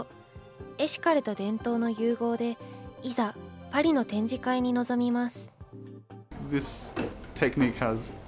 エシカルと伝統の融合で、いざ、パリの展示会に臨みます。